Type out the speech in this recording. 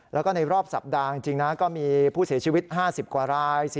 แล้วก็ในรอบสัปดาห์จริงนะก็มีผู้เสียชีวิต๕๐กว่าราย